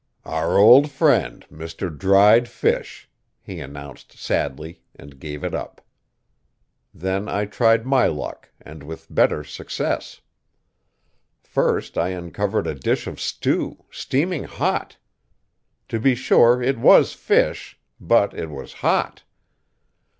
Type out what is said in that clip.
"Our old friend, Mr. Dried Fish," he announced sadly, and gave it up. Then I tried my luck, and with better success. First I uncovered a dish of stew, steaming hot! To be sure, it was fish, but it was hot.